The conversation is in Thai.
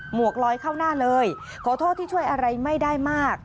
วกลอยเข้าหน้าเลยขอโทษที่ช่วยอะไรไม่ได้มาก